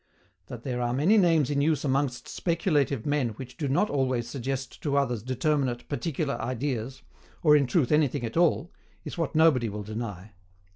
That there are many names in use amongst speculative men which do not always suggest to others determinate, particular ideas, or in truth anything at all, is what nobody will deny.